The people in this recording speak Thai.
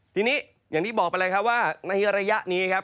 ทีนี้อย่างที่บอกไปเลยครับว่าในระยะนี้ครับ